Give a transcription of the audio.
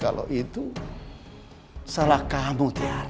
kalau itu salah kamu tiara